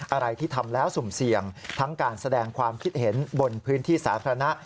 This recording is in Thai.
อะไรที่ทำแล้วสุ่มเสี่ยงทั้งการแสดงความคิดเห็นบนพื้นที่สาธารณะ